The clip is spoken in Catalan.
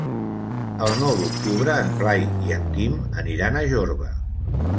El nou d'octubre en Blai i en Quim aniran a Jorba.